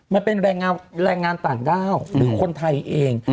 มันเป็นแรงงานต่างด้าวหรือคนไทยเอง